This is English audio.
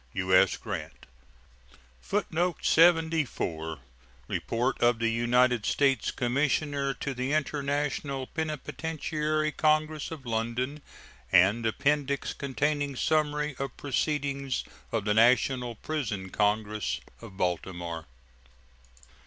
U.S. GRANT. [Footnote 74: Report of the United States commissioner to the International Penitentiary Congress of London, and appendix containing summary of proceedings of the National Prison Congress of Baltimore.